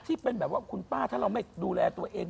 ที่เป็นแบบว่าคุณป้าถ้าเราไม่ดูแลตัวเอง